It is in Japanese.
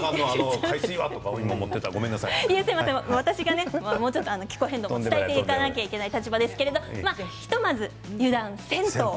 私がもう少し気候変動も伝えていかなければいけない立場ですけれどもひとまず油断せんとう。